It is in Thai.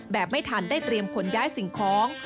แบบไม่ทันได้เตรียมขนย้ายสิ่งของ